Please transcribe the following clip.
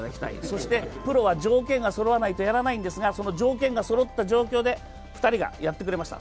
そしてプロは条件がそろわないとやらないんですがその条件がそろった状況で２人がやってくれました。